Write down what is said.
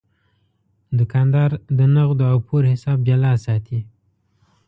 دوکاندار د نغدو او پور حساب جلا ساتي.